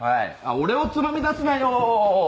俺をつまみ出すなよ。